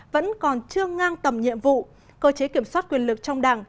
vẫn còn chưa ngang tầm nhiệm vụ cơ chế kiểm soát quyền lực trong đảng